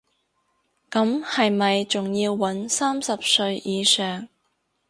咁係咪仲要搵三十歲以上